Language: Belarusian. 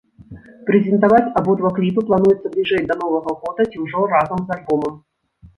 Прэзентаваць абодва кліпы плануецца бліжэй да новага года ці ўжо разам з альбомам.